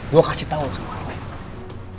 gua kasih tau sama lo ya